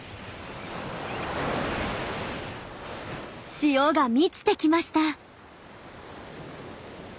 潮が満ちてきました。